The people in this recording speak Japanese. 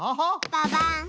ババン！